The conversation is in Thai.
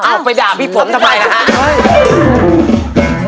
อ้าวไปด่าพี่ผมทำไมนะฮะ